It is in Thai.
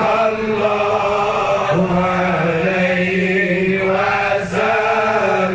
อันนี้ก็ต้องเจออีกนิดนึงนะครับ